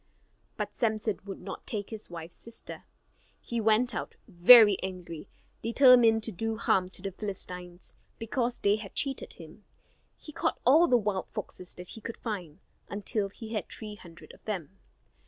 But Samson would not take his wife's sister. He went out very angry; determined to do harm to the Philistines, because they had cheated him. He caught all the wild foxes that he could find, until he had three hundred of them.